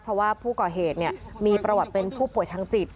เพราะว่าผู้ก่อเหตุมีประวัติเป็นผู้ป่วยทางจิต